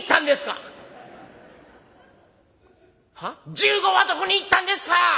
「１５はどこに行ったんですか！」。